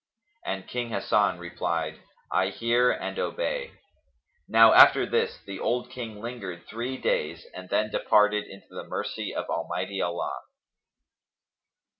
And King Hasan replied, "I hear and obey." Now after this the old King lingered three days and then departed into the mercy of Almighty Allah.